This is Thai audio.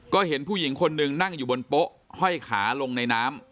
ก็เห็นผู้หญิงคนหนึ่งนั่งอยู่บนโป๊ะห้อยขาลงในน้ำ